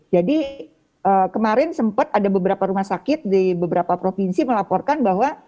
jadi kemarin sempat ada beberapa rumah sakit di beberapa provinsi melaporkan bahwa